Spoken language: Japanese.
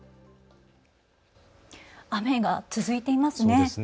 雨が続いていますね。